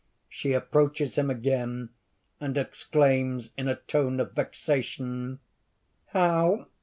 She approaches him again, and exclaims in a tone of vexation_: ) "How?